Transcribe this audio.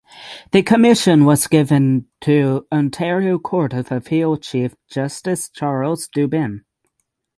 The commission was given to Ontario Court of Appeal Chief Justice Charles Dubin.